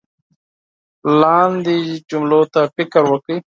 لاندې جملو ته فکر وکړئ